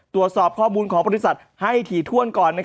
ตรวจสอบข้อมูลของบริษัทให้ถี่ถ้วนก่อน